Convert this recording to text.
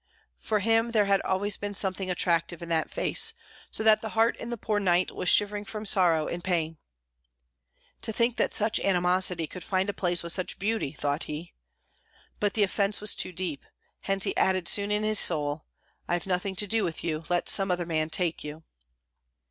For him there had always been something attractive in that face, so that the heart in the poor knight was shivering from sorrow and pain. "To think that such animosity could find a place with such beauty," thought he. But the offence was too deep; hence he added soon in his soul, "I have nothing to do with you; let some other man take you."